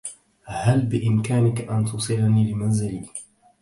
هل بإمكانك أن توصلني لمنزلي؟